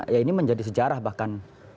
ya ini menjadi sejarah bahkan